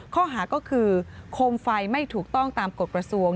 ข้อหาก็คือโคมไฟไม่ถูกต้องตามกฎกระทรวง